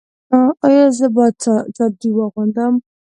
ایا زه باید چادري واغوندم؟